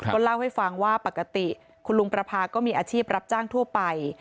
ก็เล่าให้ฟังว่าปกติคุณลุงประพาก็มีอาชีพรับจ้างทั่วไป